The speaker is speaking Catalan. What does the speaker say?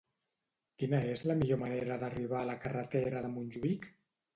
Quina és la millor manera d'arribar a la carretera de Montjuïc?